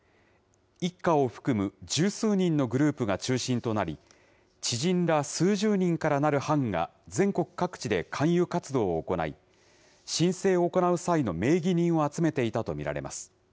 一家を含む十数人のグループが中心となり、知人ら数十人からなる班が全国各地で勧誘活動を行い、申請を行う際の名義人を集めていたと見られます。